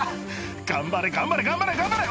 頑張れ頑張れ頑張れ頑張れ！